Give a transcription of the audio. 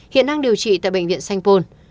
hiện đang điều trị tại bệnh viện sanh vôn